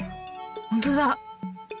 本当だ！